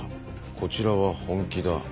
「こちらは本気だ」